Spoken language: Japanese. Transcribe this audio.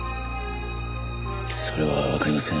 それはわかりません。